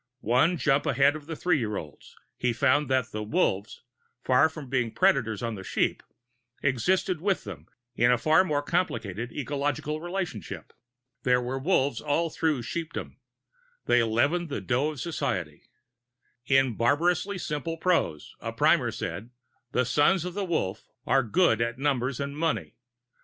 One jump ahead of the three year olds, he found that the "wolves," far from being predators on the "sheep," existed with them in a far more complicated ecological relationship. There were Wolves all through sheepdom; they leavened the dough of society. In barbarously simple prose, a primer said: "The Sons of the Wolf are good at numbers and money.